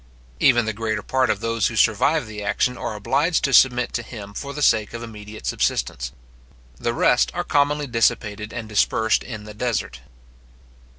Even the greater part of those who survive the action are obliged to submit to him for the sake of immediate subsistence. The rest are commonly dissipated and dispersed in the desert.